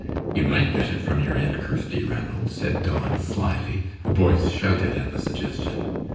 "You might get it from your Aunt Kirsty, Ranald," said Don, slyly. The boys shouted at the suggestion.